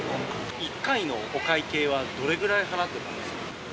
１回のお会計はどれぐらい払ってたんですか。